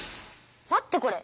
待ってこれ。